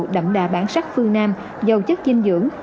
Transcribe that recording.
đậm đà bản sắc phương nam giàu chất dinh dưỡng